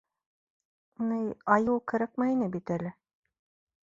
— Ни... айыу кәрәкмәй ине бит әле...